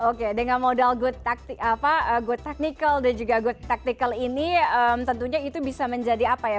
oke dengan modal good go technical dan juga good tactical ini tentunya itu bisa menjadi apa ya